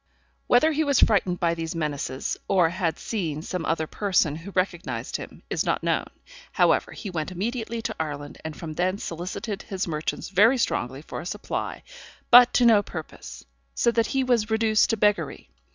Whether he was frightened by these menaces, or had seen some other person who recognised him, is not known; however, he went immediately to Ireland, and from thence solicited his merchants very strongly for a supply, but to no purpose; so that he was reduced to beggary.